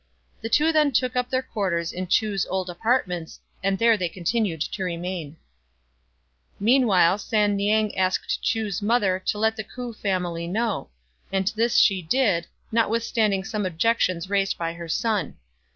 The two then took up their quarters in Chu's old apartments, and there they continued to remain. 140 STRANGE STORIES Meanwhile San niang asked Chu's mother to let the K'ou family know; and this she did, notwithstanding some objections, raised by her son.